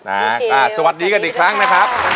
พี่ชิวสวัสดีกันอีกครั้งนะครับ